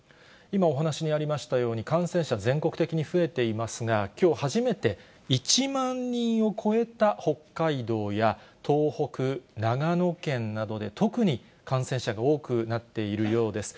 今お話にありましたように、感染者、全国的に増えていますが、きょう、初めて１万人を超えた北海道や、東北、長野県などで、特に感染者が多くなっているようです。